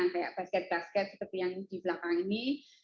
kayak basket basket seperti yang di belakang ini